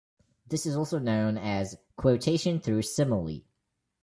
This is also known as "quotation through simile".